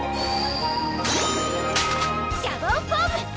シャボンフォーム！